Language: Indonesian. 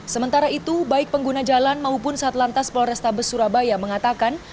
sementara itu baik pengguna jalan maupun satlantas polrestabes surabaya mengatakan